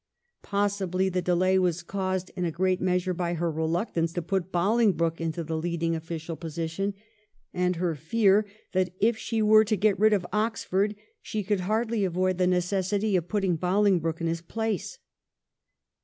Possibly the delay was caused in a great measure by her reluctance to put Bohngbroke into the leading official position, and her fear that if she were to get rid of Oxford she could hardly avoid the necessity of putting Bolingbroke in his place.